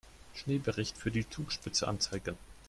Schneebericht für die Zugspitze anzeigen.